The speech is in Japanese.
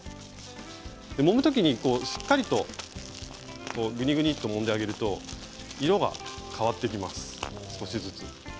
もむ時に、しっかりとぐにぐにともんであげると色が変わってきます。